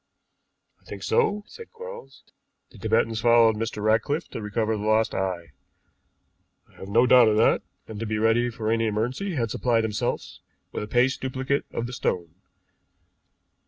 "I think so," said Quarles. "The Tibetans followed Mr. Ratcliffe to recover the lost eye, I have no doubt of that, and to be ready for any emergency had supplied themselves with a paste duplicate of the stone.